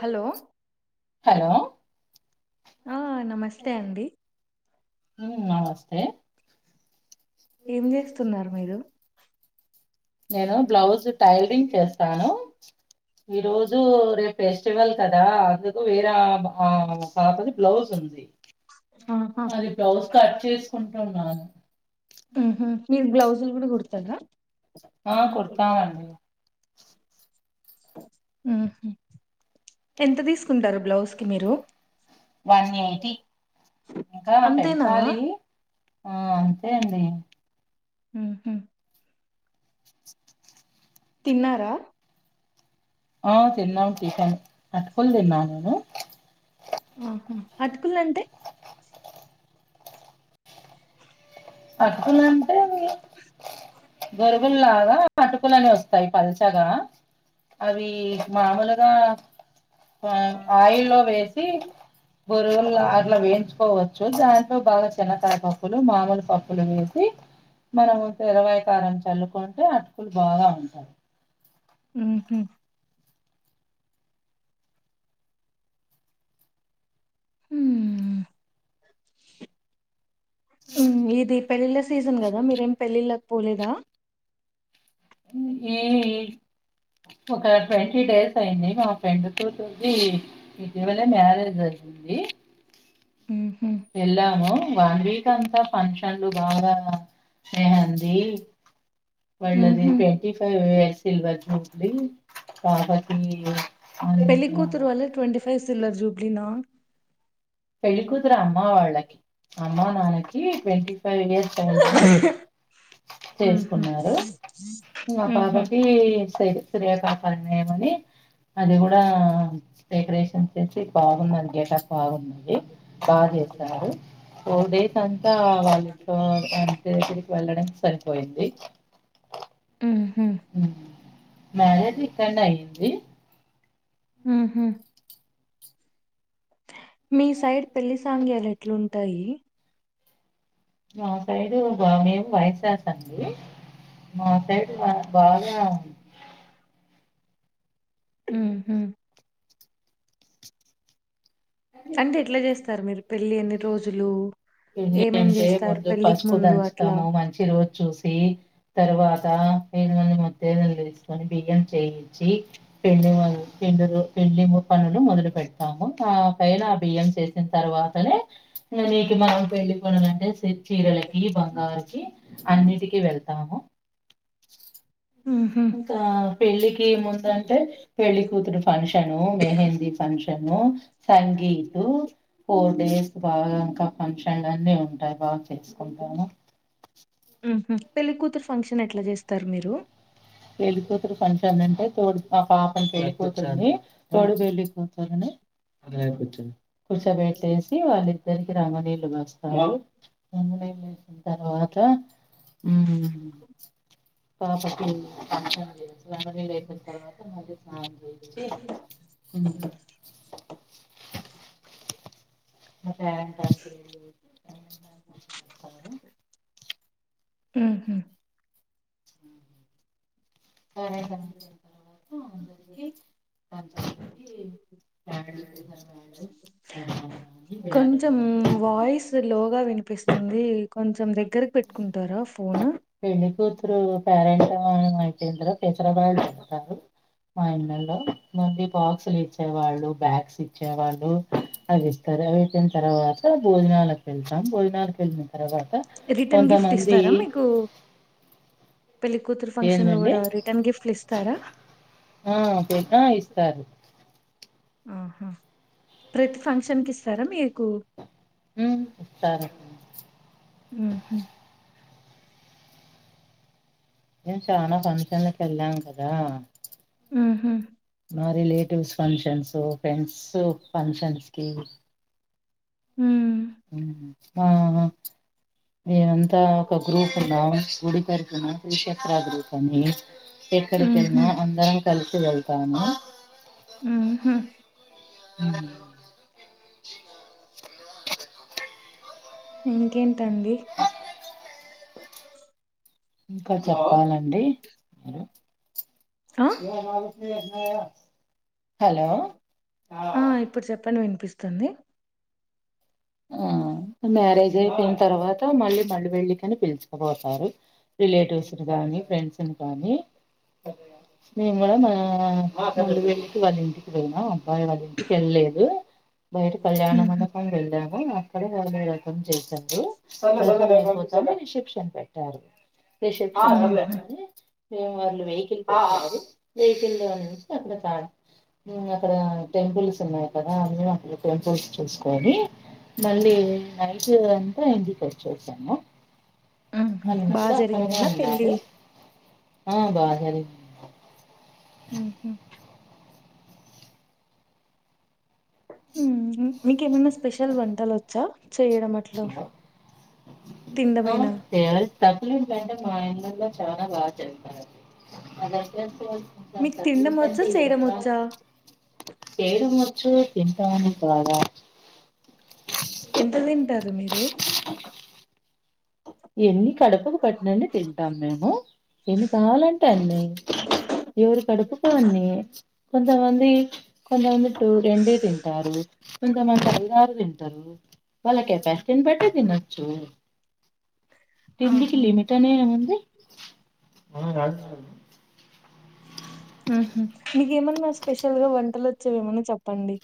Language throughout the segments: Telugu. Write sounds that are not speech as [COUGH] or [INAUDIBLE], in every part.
హలో హలో ఆ నమస్తే అండి ఉమ్ నమస్తే ఏం చేస్తున్నారు మీరు నేను బ్లౌజ్ ట్రైలింగ్ చేస్తాను ఈ రోజు రేపుఎ ఫెస్టివల్ కదా అందుకు వేరే ఆమ ఆ పాపది బ్లౌజ్ ఉంది ఆహా అది బ్లౌజ్ కట్ చేసుకుంటున్నాను ఉమ్ హు మీరు బ్లౌజులు కూడా కుడతారా ఆ కూడితం అండి ఉమ్ హు ఎంత తీసుకుంటారు బ్లౌజ్ కి మీరు వన్ ఎయిటీ ఇంకా అంతేనా పెంచాలి ఆ అంతే అండి. హు హు తిన్నారా? ఆ తిన్నాము టిఫిన్ అటుకులు తిన్నా నేను అటుకులంటే? [UNINTELLIGIBLE] అంటే గరువుల్లాగా అటుకులని వస్తాయి పల్చగా అవి మామూలుగా ఆ ఆయి లో వేసి బొరుగులు గార్ల వేయించుకోవ చ్చు దాంట్లో బాగా చిన్నకాయ పప్పులు మామూలు పప్పులు వేసి మనము తెరవయకారం చల్లుకుంటే అటుకులు బాగా ఉంటాయి. ఉహు హుమ్ మ్ ఇది పెళ్ళిళ్ళ సీజన్ కదా మీరేం పెళ్ళిళ్ళక పోలేదా? మ్ ఏవి ఒక ట్వంటీ డేస్ అయింది మా ఫ్రెండ్ టూ ట్వంటీ ఇటీవలే మ్యారేజ్ అయింది. ఉహు వెళ్ళాము వన్ వీక్ అంతా ఫంక్షన్లు బాగా మెహంది. వళ్ళది ఉహు ట్వంట ఫైవ్ వే సిల్వర్ జూబ్లీ వీ కాపటి అదైనో తిన్నావా? పెళ్లికూతురు అమ్మ వాళ్ళకి అమ్మా, నాన్న కి ట్వంటీ ఫైవ్ ఇయర్స్ అయింది. ఉహు చేసుకున్నారు మా ఉహు పాపకి సైడ్ శ్రీ ఖపణయం అని అది కూడా డెకరేషన్ వచ్చేసి బాగున్నది గెటప్ బాగున్నది బాగా చేసారు. ఫోర్ డేస్ అంతా వాళ్ళ ఇంట్లో ఎరికి వెళ్ళడానికి సరేపోయింది. పోయింది ఉహు మ్యారేజ్ ఇక్కడ్నే అయ్యంది. ఉహు మీ సైడ్ పెళ్లి సాంగ్యాలు ఎట్లుంటాయి? మా సైడు బా మేము వైశాస్ అండి. మాసైడు మా బాగా మ్హు అంటే ఎట్లా చేస్తారు మీరు పెళ్లి ఎన్ని రోజులు? పెళ్ళి ఏమేం అంటే చేస్తారు ముందు పెళ్ళికి పసుపు ముందు అట్లా దంచుతాము. మంచి రోజు చూసి తరువాత రేగాండ్లు తీసుకొని బియ్యం చేయించి పెండ్ల మొదలు పిండిలు పెళ్ళి ము పనులు మొదలు పెడతాము కా పైన బియ్యం చేసిన తర్వాతనే నీకు మా పెళ్ళి పనులంటే చి చీరలకి మ బంగారికి అన్నిటికి వెళ్తాము. ఉహు ఇంకా పెళ్ళికిముందంటే పెళ్లి కూతురు ఫంక్షను, మెహెందీ ఫంక్షన్ టన్ను సంగితు ఫోర్డేస్ రా గంక ఫంక్షన్లు అన్నీ ఉంటాయి బాగా చేసుకుంటాను. ఉహు పెళ్లికూతురు ఫంక్షన్ ఎట్లా చేస్తారు మీరు? వెళ్ళి కూతురు ఫంక్షన్ అంటే తోడు మా పాపని పెళ్ళిపోతురుని. తోడు పెళ్లికూతురిని కుర్చోబెట్టేసి వాళ్ళ ఇద్దరికి రమణీయులు పంచుతారు. ఎ వేసిన తర్వాత ఉమ్ పాప కు పం చేచ్చు రెండు నేలు అయిపోయిన తర్వాత మాధ స్నానం చేచ్చి అ మ పేరంటల్లు అండి మీరు ఊహు. పేరెంట్ ఆమె అయిపోయిన తర్వాత అందరికీ పంచానికి [INAUDIBLE] కానీ బ్యాగులు కొంచెం కానీ వాయిస్ లోగ వినిపిస్తుంది. కొంచం దగ్గరగ పెట్కుంటారా ఫోను? పెళ్లి కూతురు పేరెంటం అయిపోయిన తరువాత తెచనమలు ఉంటాయి. మా ఇళ్ళల్లో మంది బాక్సులు ఇచ్చేవాళ్ళు. బ్యాగ్స్ ఇచ్చేవాళ్ళు అది ఇస్తరు అవి ఇచ్చిన తర్వాత భోజనాలకు పిలుస్ భోజనం. భోజనాలకు పిలిచిన తర్వాత రిటర్న్ గిఫ్ట్ కొంతమంది. ఇస్తారా మీకు పెళ్లి కూతురు ఫంక్షన్ లో ఏంటండి కూడ రిటర్న్ గిఫ్ట్లు ఇస్తార. ఆహ్ పెట్టిన ఇస్తారు. ఆహా ప్రతీ ఫంక్షన్ కి ఇస్తార మీకు. ఉమ్ ఇస్తారు. ఉహు నేను చాలా ఫంక్షన్ల కి ఏళ్ళాం కదా. ఉహు మా రిలెటివ్స్ ఫంక్షన్స్. ఓ ఫ్రెండ్స్ ఫంక్షన్స్ కి. ఉ ఆహ్ హు మేమంతా ఒక గ్రూప్ ఉం. గుడికి వెళ్తున్నాం [UNINTELLIGIBLE] ఎక్కడకెళ్ళిన ఉహు అందరం. కలిసి వెళ్తాము. ఉమ్ హు. [INAUDIBLE] ఇంకేంటండి. ఇంక చెప్పాలండి. ఆ [UNINTELLIGIBLE] హలో ఆహ్ ఇప్పుడు చెప్పండి వినిపిస్తుంది. ఆహ్ మ్యారేజ్ అయిపోయిన తర్వాత మళ్ళీ వెళ్లి పెళ్లికని పిలిచుకుపోతారు. రిలేటివ్స్ని గానీ ఫ్రెండ్స్ని గానీ మేము గుడ మా. ఆహ్ మేము వెళ్తూ వాళ్ళ ఇంటికి పొయినం. అబ్బాయి వాళ్ ఇంటికి ఏల్ లేదు బయట కళ్యాణ ఉహు మండపం వెళ్లాం. అక్కడ వాళ్ళు రథం చేసిన్రు తర్వాత మేము రిసెప్షన్ పెట్టాము. ఆహ్ ఉహు రిసెప్షన్. మేమ్ వాళ్ళు వెకిల్ పక్కన ఆగి వెకిల్ లో నుంచి అక్కడ. ఆహ్ ఉమ్ అక్కడ టెంపుల్స్ ఉన్నాయి కదా. టెంపుల్స్ చూసుకని మళ్ళీ నైటుకని. మళ్ళా ఇంటికి వచ్చేసాము. ఉహు నిన్న బాగా అంతా అక్కడనే జరిగిందా పెళ్ళి ఉన్నారు. ఆహ్ [UNINTELLIGIBLE] ఉహు. ఉమ్ మికెమైన స్పెషల్ వంటలు ఓచ్చా. ఓ తినడమేనా కె తప్పులి [UNINTELLIGIBLE] నేను చాన బాగ చేస్తాను. [UNINTELLIGIBLE] మీకు తినడం కట్లెట్స్ వచ్చా అంటే చేయడం ఇష్టం. వచ్చా చేయడం వచ్చు తింటాను బాగా. ఎంత తింటారు మిరు. ఎన్ని కడపుకు పట్టినన్ని తింటాం మేము ఎన్ని కావాలంటే అన్ని. ఎవరి కడుపుకు అన్ని కొంతమంది కొంతమంది రెండే తింటారు. కొంతమంది అయిదుఆరు తింటరు వాళ్ళ కెపాసిటీని బట్టి తినొచ్చు. తిండికి ఆహా లిమిట్ అనే ఏం ఉంది. [INAUDIBLE] ఆహ్ మీకేమన్న స్పెషల్గా వంటలు వచ్చేఏమన్న చెప్పండి.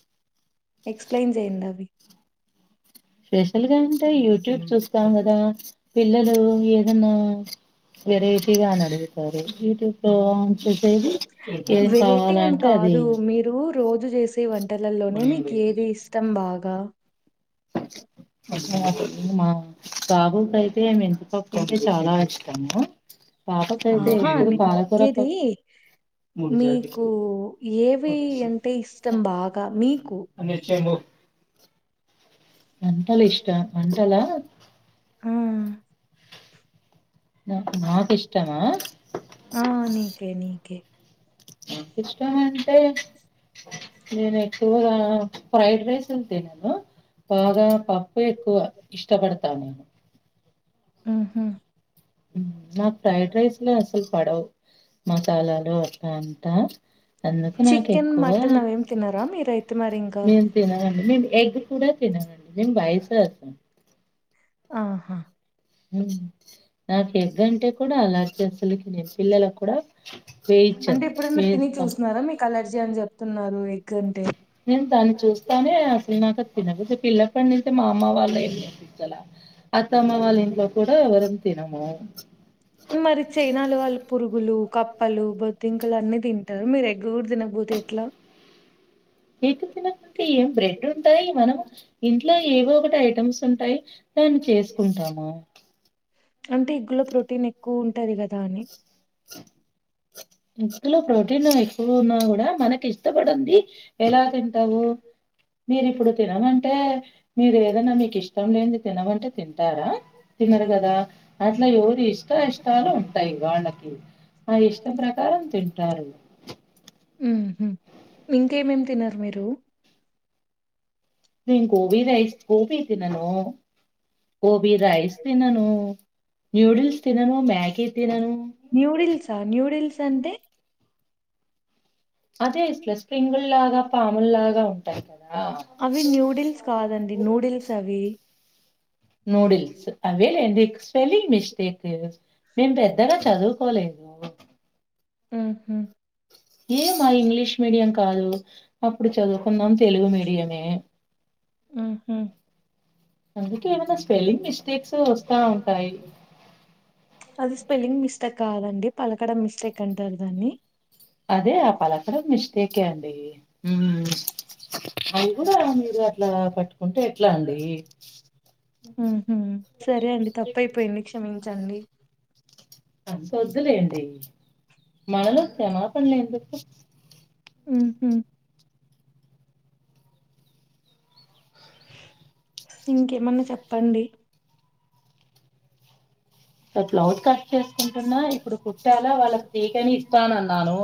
ఎక్స్ప్లెయిన్ చేయండి అవి. స్పెషల్గా అంటే యూట్యూబ్ చుస్తాం గద పిల్లలు ఏదన్నా వెరైటిగ అని అడుగుతారు యూట్యూబ్లొ చెసెది వెరైటీ కాని కాదు మీరు రోజు చేసే వంటలలోనే మీకు ఏది ఇష్టం బాగా. మా బాబుక్ అయితే మెంతిపప్పు అంటే చాలా ఇష్టము పాపకైతే ఆహా ఎప్పుడు నీక్ పాలకూర నచ్చేది పప్పు మీకు ఏవి అంటే ఇష్టం బాగా మీకు వంటలు ఇష్ట వంటలా ఆ నాకిష్టమా ఆ నీకే నీకే ఇష్టం అంటే నేను ఎక్కువగా ఫ్రైడ్ రైస్ ఎం తినను బాగా పప్పుఎ ఎక్కువ ఇష్టపడతా నేను ఉహ్ నాక్ ఫ్రైడ్ రైస్ లె అసలు పడవు మసాలాలు అద్ అంత అందుకే నాకు చికెన్ ఎక్కువ మటన్ అవేం తినరా మీరైతే మరి ఇంకా మేము తినాలండి మీ ఎగ్ కూడా తినరండి [UNINTELLIGIBLE] ఆహా ఉ నాకు ఎగ్ంటే కూడా అలర్జీ అసలకి నేను పిల్లలకు కూడా అంటే వేయిచ్చను. ఎప్పుడైన్నా తిని వేస్తా. చూస్తున్నారా మీకు అలర్జీ అని చెప్తున్నారు ఎగ్ అంటే నేను దాన్ని చూస్తానే అసలు నాకు తినబుదే పిల్ల అప్పట్ నుంచి మా అమ్మ వల్లే పించాల అత్తమ్మ వాళ్ళ ఇంట్లో కూడ ఎవరం తినము మరి చైనాలో వాళ్ళు పురుగులు కప్పలు బొత్తింకలు అన్ని తింటారు మీరు ఎగ్ కూడ తినకపోతే ఎట్లా ఎగ్ తినకుంటే ఏం బ్రెడ్ ఉంటాయి మనం ఇంట్లో ఏవో ఒకటి ఐటమ్స్ ఉంటాయి దన్ని చేసుకుంటాము అంటే ఇగ్గులో ప్రోటీన్ ఎక్కువ ఉంటది కదా అని ఎగ్గు లో ప్రోటీన్ ఎక్కువ ఉన్నా కూడా మనకి ఇష్టపడంది ఎలా తింటావు మీరి ఇప్పుడు తిననంటే మీరు ఏదన్నా మీకు ఇష్టం లేని తినమంటే తిం టారా తినరు కదా అట్లా ఎవరి ఇష్ట ఇష్టాలు ఉంటాయి వాళ్ళకి ఆ ఇష్టం ప్రకారం తింటారు ఉహు ఇంకేమేమి తినరు మీరు నేన్ గోబి రైస్ గోబీ తినను గోబీ రైస్ తినను నూడల్స్ తినను మ్యాగి తినను న్యూడిల్సా న్యూడిల్స్ అంటే అదే ఇట్లా స్ప్రింగుల్లాగా పాముల్లాగా ఉంటాయి కదా ది నూడిల్స్ అవి నూడిల్స్ అవేలేండి స్పెల్లింగ్ మిస్టేక్ మేం పెద్దగా చదువుకోలేము ఉ హు ఏ మా ఇంగ్లీష్ మీడియం కాదు అప్పుడు చదువుకుంన్నాం తెలుగు మీడియమే ఉహు అందుకే ఏమైనా స్పెలింగ్ మిస్టేక్స్ వస్తా ఉంటాయి అది స్పెల్లింగ్ మిస్టేక్ కాదండి పలకడం మిస్టేక్ అంటారు దాన్ని అదే ఆ పలకడం మిస్టేకే అండి ఉమ్ అది కూడా మీరు అట్లా పట్టుకుంటే ఎట్లా అండి ఉ హు సరే అండి తప్పఐపోయింది క్షమించండి అంత వొద్దులేండి మనలో క్షమాపణలు ఎందుకు ఉ హు ఇంకేమన్నా చెప్పండి బ్లౌజ్ కట్ చేసుకుంటున్నా ఇప్పుడు కుట్టల వాళ్ళకి ఫ్రీగానే ఇస్తానన్నాను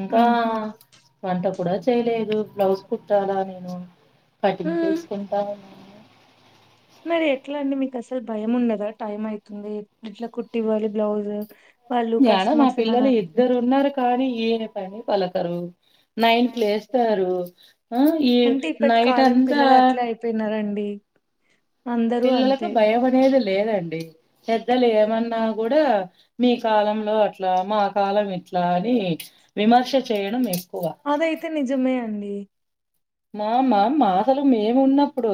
ఇంకా ఉహు వంట కూడా చేయలేదు బ్లౌజ్ కుట్టాల నేను ఉ కటింగ్ చేసుకుంటాను మరి ఎట్లా అండి మీకు అసలు భయం ఉండదా టైం ఐతుంది ఇట్లా కుట్టివ్వాలి బ్లౌజ్ వాళ్ళు యాడ మా కస్టమర్స్ ఏమని పిల్లలు ఇద్దరు అనుకుంటారు ఉన్నారు కానీ ఏ పని పలకరు నైన్ కి లేస్తారు ఆ ఈ అంటే నైట్ అంతా పి పిల్లలకు భయం అనేదే లేదండి పెద్దలు ఏమన్నా కూడా మీ కాలం లో అట్లా మా కాలం ఇట్లా అని విమర్శ చేయడం ఎక్కువ అదైతే నిజమే అండి మా మా మా తలం మేము ఉన్నప్పుడు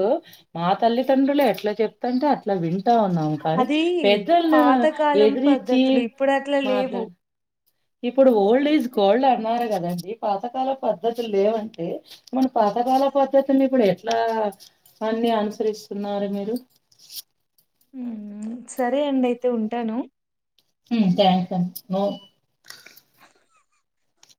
మా తల్లితండ్రులే ఎట్లా చెప్తుంటే అట్లా వింటా ఉన్నాము కానీ అది పెదలు పాతకాలం ఎదిరి రిచ్చి పద్ధతులు ఇప్పుడు అట్లా మాట్లా లేవు ఇప్పుడు ఓల్డ్ ఇస్ గోల్డ్ అన్నారు కదండి పాతకాల పద్ధతు లేవంటే మన పాతకాల పద్ధతుల్ని ఇప్పుడు ఎట్లా అన్ని అనుసరిస్తున్నారు మీరు మ్ మ్ సరే అండి అయితే ఉంటాను ఉమ్ థ్యాంక్స్ అండి నో